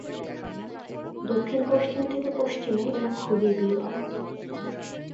দক্ষিণ-পশ্চিম থেকে পশ্চিমে এরা খুবই বিরল।